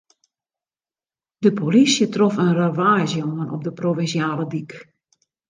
De polysje trof in ravaazje oan op de provinsjale dyk.